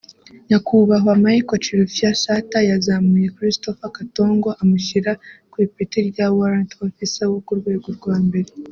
nyakubahwa Michael Chilufya Sata yazamuye Christopher Katongo amushyira ku ipeti rya Warrant Officer wo ku rwego rwa mbere